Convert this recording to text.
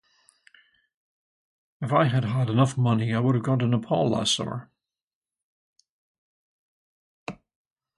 If I had had enough money, I would have gone to Nepal last summer.